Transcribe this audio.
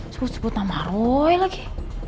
sebut sebut nama roy lagi